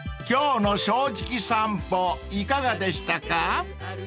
［今日の『正直さんぽ』いかがでしたか？］